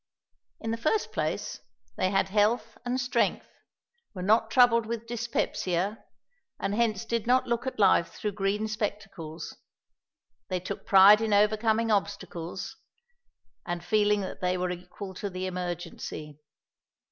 In the first place, they had health and strength, were not troubled with dyspepsia, and hence did not look at life through green spectacles. They took pride in overcoming obstacles, and feeling that they were equal to the emergency.